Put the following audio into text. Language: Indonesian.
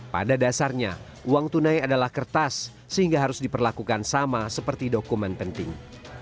pada dasarnya uang tunai adalah kertas sehingga harus diperlakukan sama seperti dokumen penting